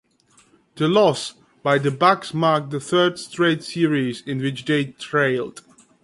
The loss by the Bucks marked the third straight series in which they trailed.